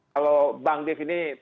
kalau bang dev ini